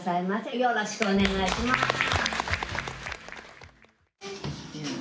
よろしくお願いします。